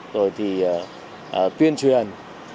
rồi thì tuyên truyền